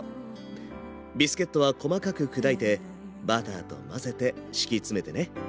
ビスケットは細かく砕いてバターと混ぜて敷き詰めてね。